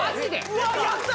うわやった！